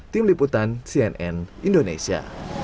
tim liputan cnn indonesia